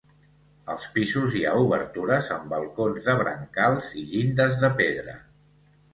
Als pisos hi ha obertures amb balcons de brancals i llindes de pedra.